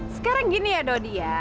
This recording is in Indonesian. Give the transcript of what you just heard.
sekarang gini ya dodi ya